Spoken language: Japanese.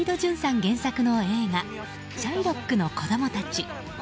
原作の映画「シャイロックの子供たち」。